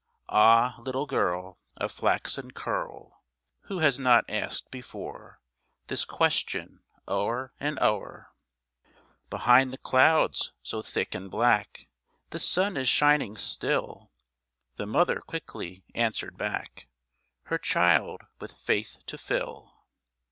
Ah, little girl Of flaxen curl, Who has not asked before This question o'er and o'er? "Behind the clouds so thick and black The sun is shining still," The mother quickly answered back, Her child with faith to fill.